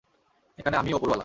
এখানে আমিই ওপরওয়ালা।